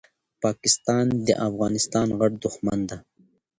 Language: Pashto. پاکستان دي افغانستان غټ دښمن ده